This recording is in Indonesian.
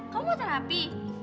kamu mau terapi